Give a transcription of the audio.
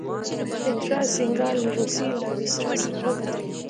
مترا سینګه له روسيې له ویسرا سره وکتل.